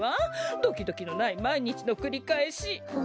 ドキドキのないまいにちのくりかえし。